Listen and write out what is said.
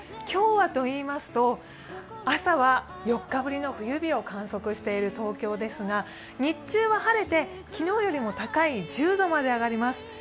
今日はといいますと朝は４日ぶりの冬日を観測している東京ですが日中は晴れて昨日よりも高い１０度まで上がります。